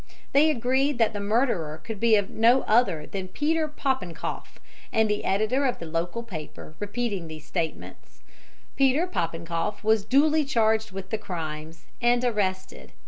They agreed that the murderer could be no other than Peter Popenkoff, and the editor of the local paper repeating these statements, Peter Popenkoff was duly charged with the crimes, and arrested.